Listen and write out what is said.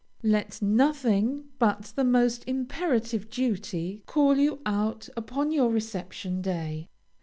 Let nothing, but the most imperative duty, call you out upon your reception day.